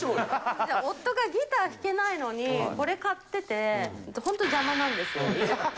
夫がギター弾けないのに、これ買ってて、本当、邪魔なんですよ。